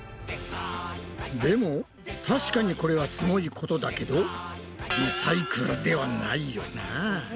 でも確かにこれはすごいことだけどリサイクルではないよな？